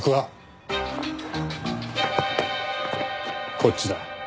こっちだ。